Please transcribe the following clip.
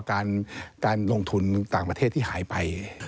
การลงทุนต่างประเทศที่หายไป